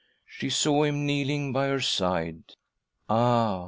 She saw him kneeling by her side— ah